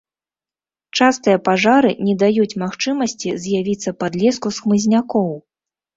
Частыя пажары не даюць магчымасці з'явіцца падлеску з хмызнякоў.